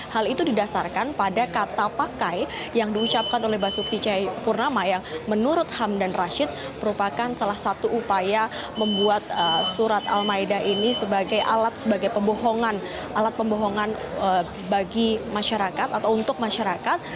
hal itu didasarkan pada kata pakai yang diucapkan oleh basuki cahayapurnama yang menurut hamdan rashid merupakan salah satu upaya membuat surat al maida ini sebagai alat sebagai pembohongan alat pembohongan bagi masyarakat atau untuk masyarakat